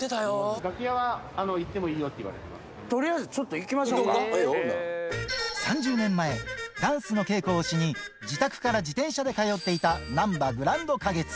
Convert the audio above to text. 楽屋は行ってもいいよと言わとりあえず、ちょっと行きま３０年前、ダンスの稽古をしに、自宅から自転車で通っていたなんばグランド花月。